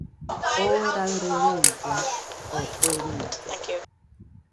Oo raɨre riilla, o kue riilla